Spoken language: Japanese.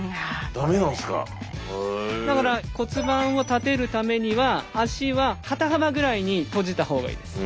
だから骨盤を立てるためには足は肩幅ぐらいに閉じた方がいいです。